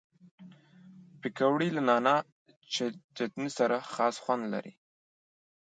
پکورې له نعناع چټني سره خاص خوند لري